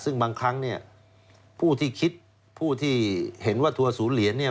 ซึ่งบางครั้งเนี่ยผู้ที่คิดผู้ที่เห็นว่าทัวร์ศูนย์เหรียญเนี่ย